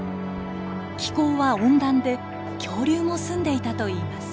気候は温暖で恐竜も住んでいたといいます。